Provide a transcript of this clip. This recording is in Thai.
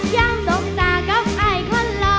ย้อมตกตากับอายคอนรอ